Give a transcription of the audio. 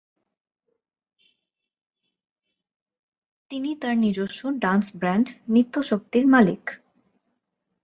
তিনি তাঁর নিজস্ব ডান্স ব্র্যান্ড নৃত্য শক্তির মালিক।